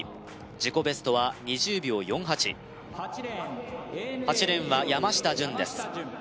自己ベストは２０秒４８８レーンは山下潤です